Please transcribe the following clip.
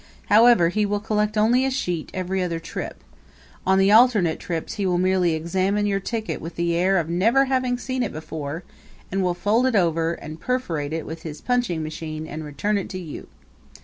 However, he will collect only a sheet every other trip; on the alternate trips he will merely examine your ticket with the air of never having seen it before, and will fold it over, and perforate it with his punching machine and return it to you.